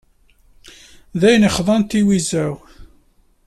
D ayen yexḍan tiwezza-w.